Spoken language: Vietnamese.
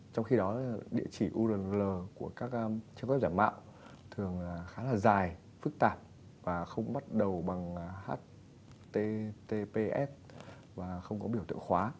trong khi đó địa chỉ url của các trang web giả mạo thường khá là dài phức tạp và không bắt đầu bằng https và không có biểu tượng khóa